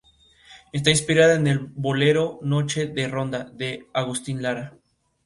Está inspirada en el bolero "Noche de Ronda", de Agustín Lara.